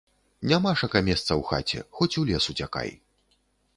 Нямашака месца ў хаце, хоць у лес уцякай.